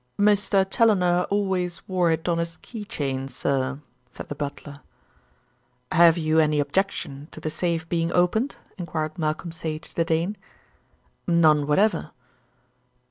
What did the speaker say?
"Mr. Challoner always wore it on his key chain, sir," said the butler. "Have you any objection to the safe being opened?" enquired Malcolm Sage to Dane. "None whatever."